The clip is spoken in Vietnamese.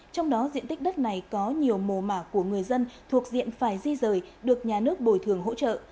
trong đó diện tích đất này có nhiều mồ mả của người dân thuộc diện phải di rời được nhà nước bồi thường hỗ trợ